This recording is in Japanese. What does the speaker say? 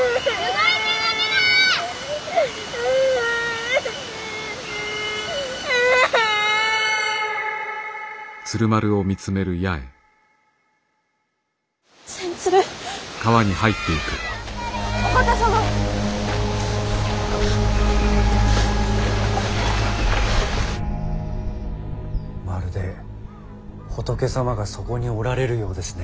まるで仏様がそこにおられるようですね。